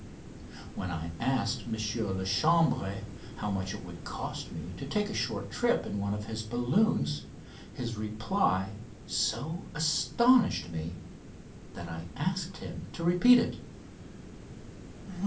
When I asked M. Lachambre how much it would cost me to take a short trip in one of his balloons his reply so astonished me that I asked him to repeat it.